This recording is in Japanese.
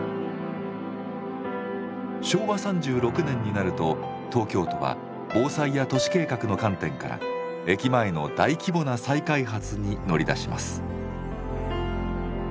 昭和３６年になると東京都は防災や都市計画の観点から駅前の大規模な再開発に乗り出します。